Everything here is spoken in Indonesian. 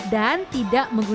dan tidak unggul